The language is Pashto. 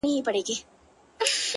سیاه پوسي ده ـ دا دی لا خاندي ـ